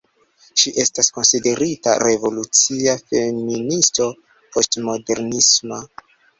Ŝi estas konsiderita revolucia feministo poŝtmodernisma.